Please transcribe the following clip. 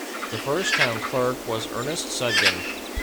The first Town Clerk was Ernest Sudgen.